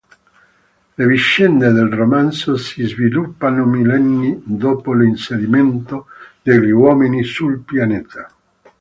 Le vicende del romanzo si sviluppano millenni dopo l'insediamento degli uomini sul pianeta.